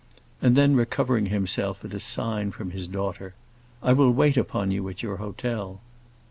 And then, recovering himself at a sign from his daughter, "I will wait upon you at your hotel."